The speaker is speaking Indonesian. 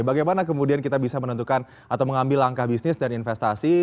bagaimana kemudian kita bisa menentukan atau mengambil langkah bisnis dan investasi